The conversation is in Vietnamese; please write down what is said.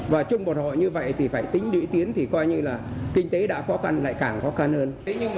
và chung một hội như vậy thì phải tính lũy tiến thì coi như là kinh tế đã khó khăn lại càng khó khăn hơn